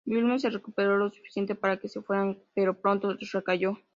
Wilhelm se recuperó lo suficiente para que se fueran, pero pronto recayó.